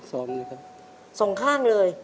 ส่งครับส่งข้างเลย